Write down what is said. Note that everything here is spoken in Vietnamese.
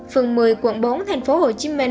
phường một mươi quận bốn tp hcm